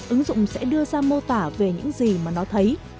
ứng dụng sẽ đưa ra mô tả về những gì mà nó thấy